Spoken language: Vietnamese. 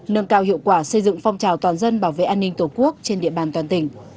nâng cao hiệu quả xây dựng phong trào toàn dân bảo vệ an ninh tổ quốc trên địa bàn toàn tỉnh